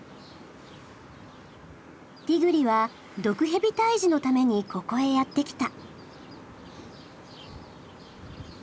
ティグリは毒ヘビ退治のためにここへやって来た。